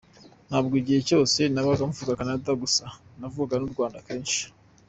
Ntabwo igihe cyose nabaga mvuga Canada gusa, navuze u Rwanda kenshi”.